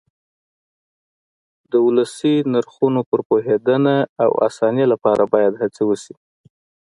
د ولسي نرخونو پر پوهېدنه او ساتنې لپاره باید هڅې وشي.